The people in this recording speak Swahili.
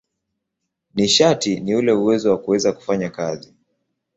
Nishati ni ule uwezo wa kuweza kufanya kazi.